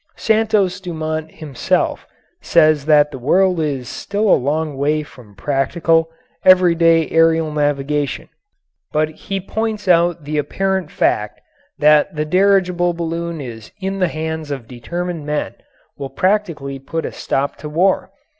Santos Dumont himself says that the world is still a long way from practical, everyday aerial navigation, but he points out the apparent fact that the dirigible balloon in the hands of determined men will practically put a stop to war.